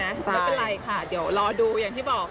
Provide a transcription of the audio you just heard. ไม่เป็นไรค่ะเดี๋ยวรอดูอย่างที่บอก